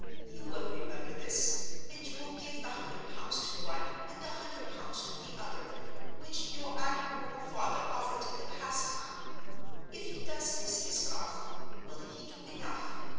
You will remember this—and you will give the hundred pounds to one, and the hundred pounds to the other, which your admirable father offered in the past time? If he does this, Miss Garth, will he do enough?